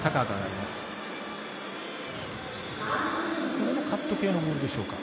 これもカット系のボールでしょうか？